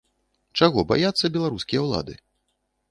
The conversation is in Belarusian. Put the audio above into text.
Чаго баяцца беларускія ўлады?